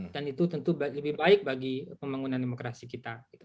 dan itu tentu lebih baik bagi pembangunan demokrasi kita